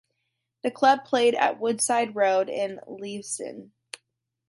The club played at Woodside Road in Leavesden.